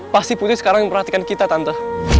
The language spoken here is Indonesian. pasti putri sekarang yang perhatikan kita tante